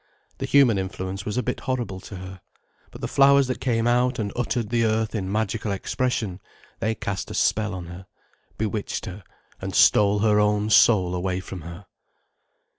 The human influence was a bit horrible to her. But the flowers that came out and uttered the earth in magical expression, they cast a spell on her, bewitched her and stole her own soul away from her.